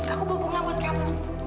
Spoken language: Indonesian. aku bawa bunga buat kamu